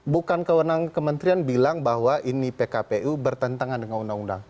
bukan kewenangan kementerian bilang bahwa ini pkpu bertentangan dengan undang undang